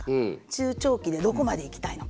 中長期でどこまで行きたいのか。